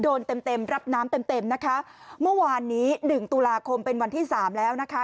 เต็มเต็มรับน้ำเต็มเต็มนะคะเมื่อวานนี้หนึ่งตุลาคมเป็นวันที่สามแล้วนะคะ